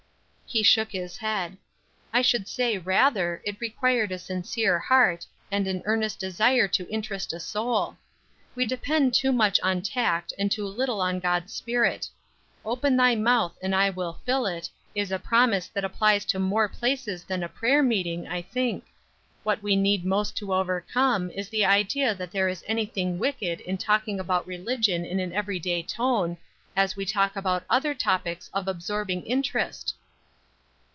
He shook his head, "I should say rather, it required a sincere heart, and an earnest desire to interest a soul. We depend too much on tact and too little on God's spirit. 'Open thy mouth and I will fill it,' is a promise that applies to more places than a prayer meeting, I think. What we need most to overcome is the idea that there is anything wicked in talking about religion in an everyday tone, as we talk about other topics of absorbing interest."